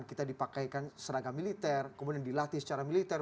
kita dipakaikan seragam militer kemudian dilatih secara militer